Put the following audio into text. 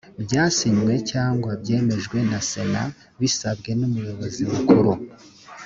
byasinywe cyangwa byemejwe na sena bisabwe numuyobozi mukuru